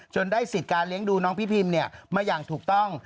ได้สิทธิ์การเลี้ยงดูน้องพี่พิมมาอย่างถูกต้อง